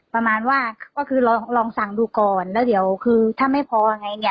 ประมาณว่าก็คือลองลองสั่งดูก่อนแล้วเดี๋ยวคือถ้าไม่พอไงเนี่ย